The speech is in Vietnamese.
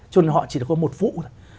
cho nên họ chỉ có một vụ thôi